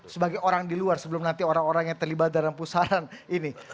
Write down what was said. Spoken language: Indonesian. sebagai orang di luar sebelum nanti orang orang yang terlibat dalam pusaran ini